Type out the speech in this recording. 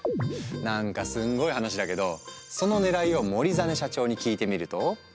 なんかすんごい話だけどそのねらいを森實社長に聞いてみると。